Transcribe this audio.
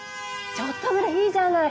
ちょっとぐらいいいじゃない。